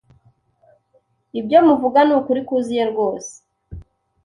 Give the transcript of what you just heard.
ibyo muvuga ni ukuri kuzuye rwose